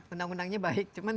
undang undangnya baik cuman